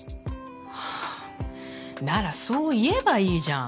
ならそう言えばいいじゃん